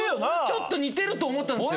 ちょっと似てると思ったんですよ。